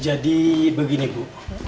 jadi begini bu